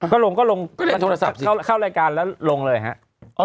ก็ลงเข้ารายการแล้วลงเลยครับ